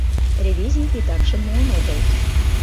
Ревизий титакшым муын огыл.